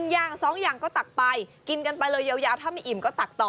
อย่าง๒อย่างก็ตักไปกินกันไปเลยยาวถ้าไม่อิ่มก็ตักต่อ